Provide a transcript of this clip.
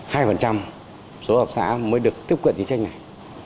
hai phần trăm số hợp tác xã mới được tiếp cận chính sách này